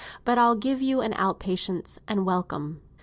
But I'll give you an out patient's, and welcome."